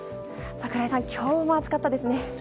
櫻井さん、今日も暑かったですね。